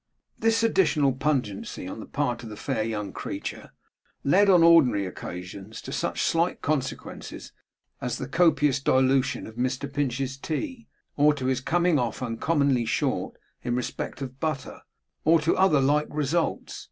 This additional pungency on the part of the fair young creature led, on ordinary occasions, to such slight consequences as the copious dilution of Mr Pinch's tea, or to his coming off uncommonly short in respect of butter, or to other the like results.